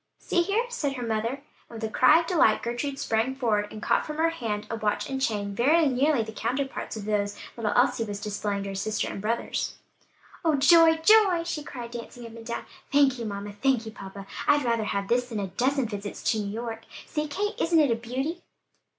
"See here," said her mother, and with a cry of delight Gertrude sprang forward and caught from her hand a watch and chain very nearly the counterparts of those little Elsie was displaying to her sister and brothers. "Oh, joy, joy!" she cried, dancing up and down, "thank you, mamma! Thank you, papa! I'd rather have this than a dozen visits to New York. See, Kate, isn't it a beauty?"